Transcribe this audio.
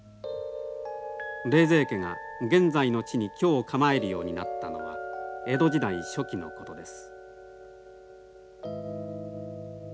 冷泉家が現在の地に居を構えるようになったのは江戸時代初期のことです。